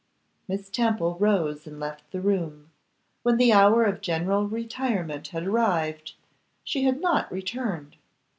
Miss Temple rose and left the room. When the hour of general retirement had arrived, she had not returned.